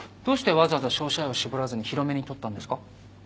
どうしてわざわざ照射野を絞らずに広めに撮ったんですか？